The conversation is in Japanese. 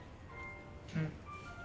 うん。